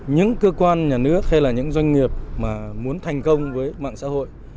những cơ quan nhà nước hay là những doanh nghiệp mà muốn thành công với mạng xã hội